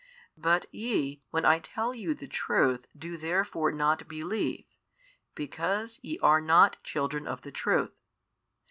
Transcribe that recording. But YE when I tell you the truth do therefore not believe, because ye are not children of the truth.